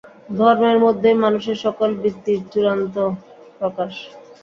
ধর্মের মধ্যেই মানুষের সফল বৃত্তির চূড়ান্ত প্রকাশ।